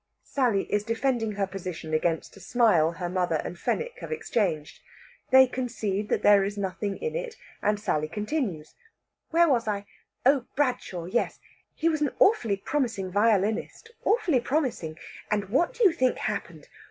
Sally is defending her position against a smile her mother and Fenwick have exchanged. They concede that there is nothing in it, and Sally continues. "Where was I? Oh, Bradshaw; yes. He was an awfully promising violinist awfully promising! And what do you think happened?